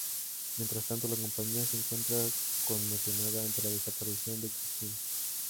Mientras tanto, la compañía se encuentra conmocionada ante la desaparición de Christine.